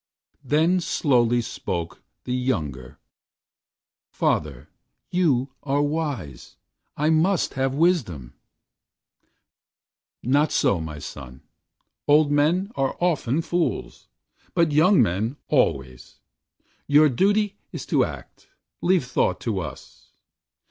The slowly spoke The younger: "Father, you are wise. I must have Wisdom." "Not so, my son. Old men are often fools, but young men always. Your duty is to act; leave thought to us."